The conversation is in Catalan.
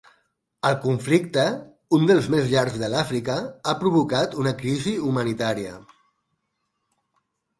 El conflicte, un dels més llargs de l'Àfrica, ha provocat una crisi humanitària.